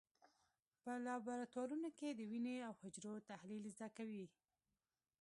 په لابراتوارونو کې د وینې او حجرو تحلیل زده کوي.